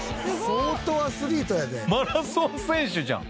相当アスリートやで」